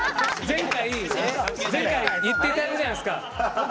前回言ってたじゃないですか。